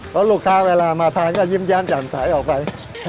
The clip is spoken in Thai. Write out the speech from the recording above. เพราะลูกค้าเวลามาทานก็ยิ้มแย้มแจ่มใสออกไป